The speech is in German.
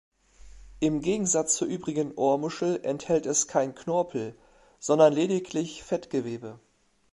Im Gegensatz zur übrigen Ohrmuschel enthält es kein Knorpel-, sondern lediglich Fettgewebe.